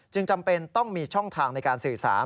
จำเป็นต้องมีช่องทางในการสื่อสาร